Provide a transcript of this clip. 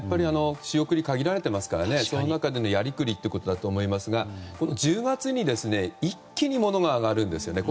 仕送りも限られていますからその中でのやりくりだと思いますが１０月に一気に上がるんですよね。